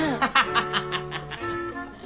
ハハハハハ！